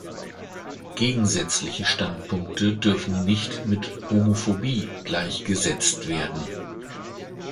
Gegensätzliche Standpunkte dürfen nicht mit "Homophobie" gleichgesetzt werden.